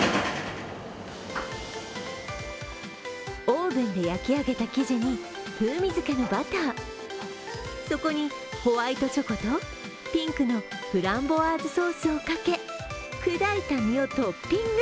オーブンで焼き上げた生地に風味付けのバター、そこにホワイトチョコとピンクのフランボワーズソースをかけ砕いた実をトッピング。